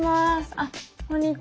あっこんにちは。